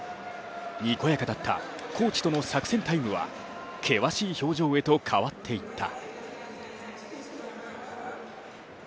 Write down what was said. にこやかだったコーチとの作戦タイムは険しい表情へと変わっていった。